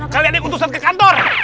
kalian ada utusan ke kantor